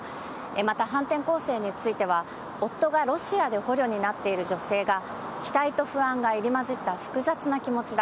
また反転攻勢については夫がロシアで捕虜になっている女性が期待と不安が入り交じった複雑な気持ちだ。